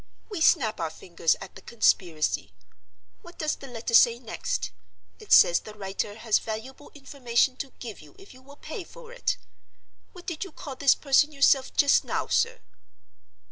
We snap our fingers at the conspiracy. What does the letter say next? It says the writer has valuable information to give you if you will pay for it. What did you call this person yourself just now, sir?"